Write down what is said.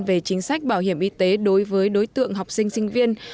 về chính sách bảo hiểm y tế đối với đối tượng học sinh sinh viên